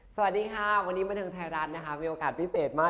สวัสดีค่ะวันนี้แม่นทางไทยร้านมีโอกาสพิเศษมาก